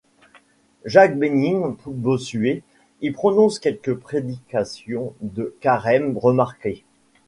Jacques-Bénigne Bossuet y prononce quelques prédications de Carême remarquées.